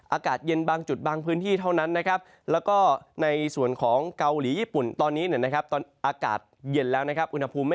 อากาศเย็นบางจุดบางพื้นที่เท่านั้นนะครับ